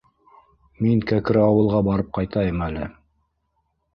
Мин Кәкре ауылға барып ҡайтайым әле...